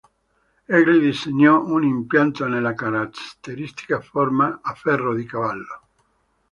Egli disegnò un impianto nella caratteristica forma a ferro di cavallo.